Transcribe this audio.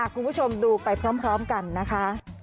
คุณผู้ชมดูไปพร้อมกันนะคะ